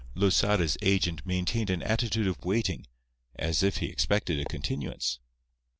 Losada's agent maintained an attitude of waiting, as if he expected a continuance.